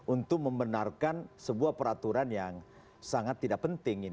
untuk membenarkan sebuah peraturan yang sangat tidak penting